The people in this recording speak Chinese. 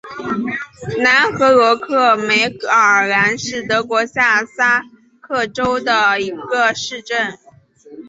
南布罗克梅尔兰是德国下萨克森州的一个市镇。